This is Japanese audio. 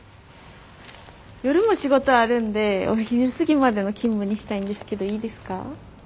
夜も仕事あるんでお昼過ぎまでの勤務にしたいんですけどいいですか？